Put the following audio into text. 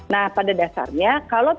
nah pada dasarnya